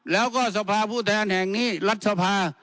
แล้วก็สภาผู้แทนแห่งนี้รัฐสภา